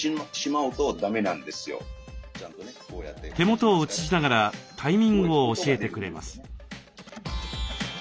手元を映しながらタイミングを教えてくれます。